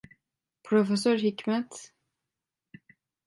Profesör Hikmet…